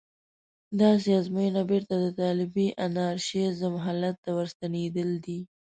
داسې ازموینه بېرته د طالبي انارشېزم حالت ته ورستنېدل دي.